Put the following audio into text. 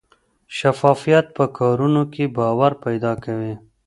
شفافیت په کارونو کې باور پیدا کوي.